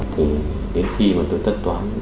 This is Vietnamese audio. thì đến khi mà tôi thất toán